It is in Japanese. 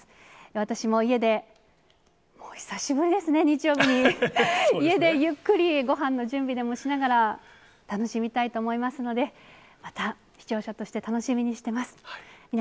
私も家で、もう久しぶりですね、日曜日に、家でゆっくりごはんの準備でもしながら、楽しみたいと思いますので、また視聴者として楽しみにしてます。